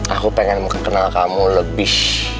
aku pengen kenal kamu lebih